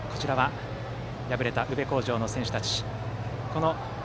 敗れた宇部鴻城の選手たち。